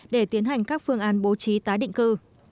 để tiến hành các phương án bố trí tái định cư